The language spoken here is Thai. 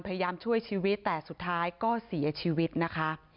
พยายามช่วยชีวิตแต่สุดท้ายก็เสียชีวิตนะคะ